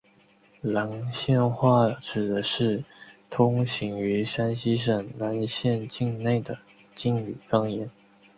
岚县话指的是通行于山西省岚县境内的晋语方言。